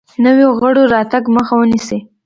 نویو غړو راتګ مخه ونیسي.